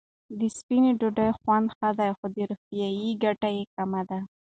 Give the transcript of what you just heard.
د سپینې ډوډۍ خوند ښه دی، خو روغتیايي ګټې کمې دي.